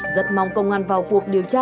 rất mong công an vào cuộc điều tra